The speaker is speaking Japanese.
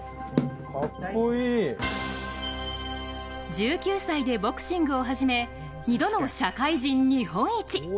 １９歳でボクシングを始め２度の社会人日本一。